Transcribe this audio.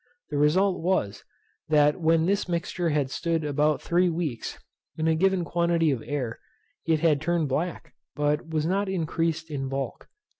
The result was, that when this mixture had stood about three weeks, in a given quantity of air, it had turned black, but was not increased in bulk.